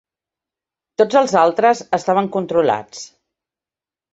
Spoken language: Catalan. Tots els altres estaven controlats.